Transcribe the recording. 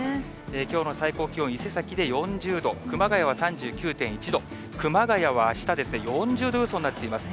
きょうの最高気温、伊勢崎で４０度、熊谷は３９．１度、熊谷はあした、４０度予想になっています。